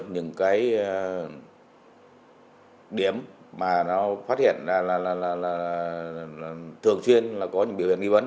những điểm mà nó phát hiện là thường xuyên có những biểu hiện nghi vấn